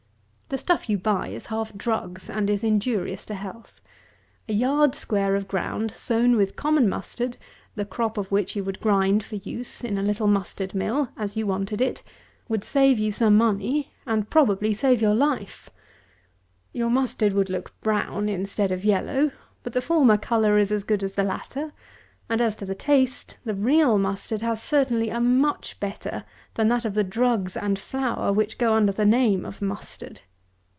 The stuff you buy is half drugs; and is injurious to health. A yard square of ground, sown with common Mustard, the crop of which you would grind for use, in a little mustard mill, as you wanted it, would save you some money, and probably save your life. Your mustard would look brown instead of yellow; but the former colour is as good as the latter: and, as to the taste, the real mustard has certainly a much better than that of the drugs and flour which go under the name of mustard.